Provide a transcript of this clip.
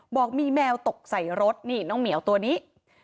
บอกมีแมวตกใส่รถนี่น้องเหมียวตัวนี้